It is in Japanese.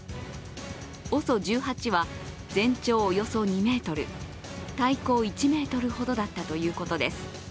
ＯＳＯ１８は全長およそ２ｍ体高１ｍほどだったということです。